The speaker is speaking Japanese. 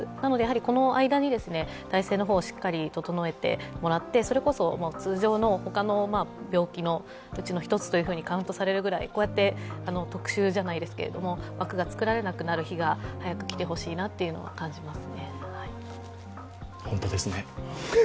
この間に体制をしっかり整えてもらってそれこそ通常の他の病気のうちの１つとカウントされるぐらい、こうやって特集じゃないですが枠が作られなくなる日が早く来てほしいなと感じます。